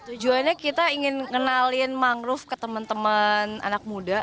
tujuannya kita ingin kenalin mangrove ke teman teman anak muda